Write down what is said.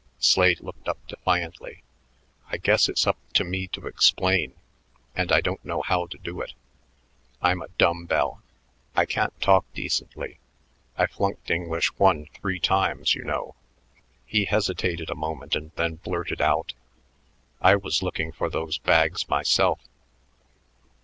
Slade looked up defiantly. "I guess it's up to me to explain and I don't know how to do it. I'm a dumbbell. I can't talk decently. I flunked English One three times, you know." He hesitated a moment and then blurted out, "I was looking for those bags myself."